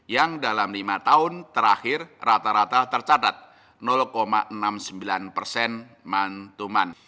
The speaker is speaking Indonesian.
yang dalam lima tahun terakhir rata rata tercatat enam puluh sembilan persen montu mont